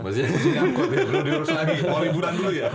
masih nyakut belum diurus lagi mau riburan dulu ya